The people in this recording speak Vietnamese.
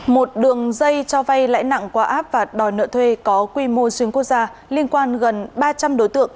một đường dây cho vay lãi nặng qua app và đòi nợ thuê có quy mô xuyên quốc gia liên quan gần ba trăm linh đối tượng